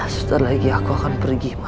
suntar lagi aku akan pergi ma